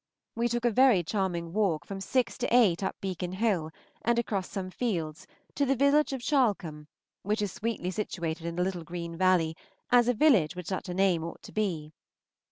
We took a very charming walk from six to eight up Beacon Hill, and across some fields, to the village of Charlecombe, which is sweetly situated in a little green valley, as a village with such a name ought to be.